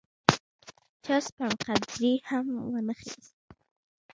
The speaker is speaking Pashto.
چا سپڼ قدرې هم وانه اخیست.